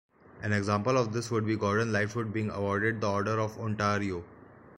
An example of this would be Gordon Lightfoot being awarded the Order of Ontario.